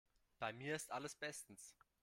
Bei mir ist alles bestens.